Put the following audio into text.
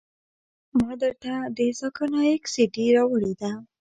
ما درته د ذاکر نايک سي ډي راوړې ده.